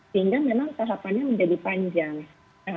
sehingga memang tahapannya menjadi panjang